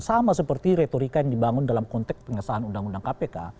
sama seperti retorika yang dibangun dalam konteks pengesahan undang undang kpk